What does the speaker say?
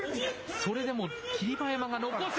それでも霧馬山が残す。